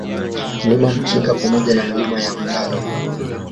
Mlima Mkinga pamoja na Milima ya Mlala